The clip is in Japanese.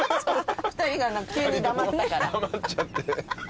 ２人が急に黙ったから。